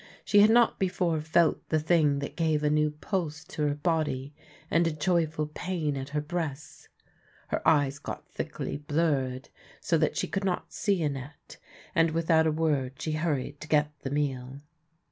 She had not before felt the thing that gave a new pulse to her body and a joy ful pain at her breasts. Her eyes got thickly blurre d so that she could not see Annette, and, without a word, she hurried to get the meal.